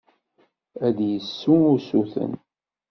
Ad d-yessu usuten.